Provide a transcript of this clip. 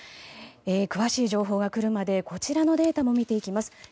詳しい情報が来るまでこちらのデータを見ていきます。